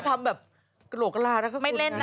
ไม่ได้แบบกระโหลกรานะครับคุณ